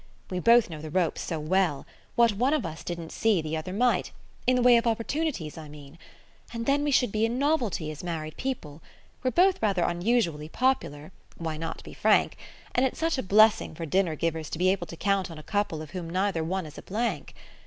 "We both know the ropes so well; what one of us didn't see the other might in the way of opportunities, I mean. And then we should be a novelty as married people. We're both rather unusually popular why not be frank! and it's such a blessing for dinner givers to be able to count on a couple of whom neither one is a blank.